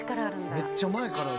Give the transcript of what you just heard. めっちゃ前からある。